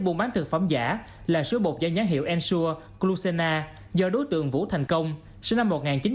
buôn bán thực phẩm giả là sữa bột do nhán hiệu ensure glucena do đối tượng vũ thành công sinh năm một nghìn chín trăm tám mươi tám